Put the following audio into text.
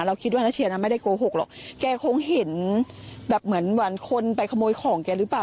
คิดว่าน้าเชียร์น่ะไม่ได้โกหกหรอกแกคงเห็นแบบเหมือนคนไปขโมยของแกหรือเปล่า